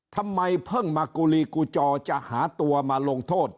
ทำไมเพิ่งมากูลีกูจอจะหาตัวมาลงโทษ